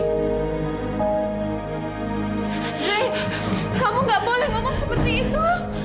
hei kamu gak boleh ngomong seperti itu